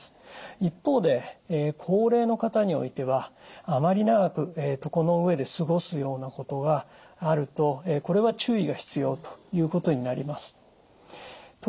一方で高齢の方においてはあまり長く床の上で過ごすようなことがあるとこれは注意が必要ということになります。